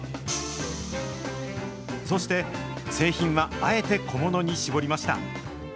そして製品は、あえて小物に絞りました。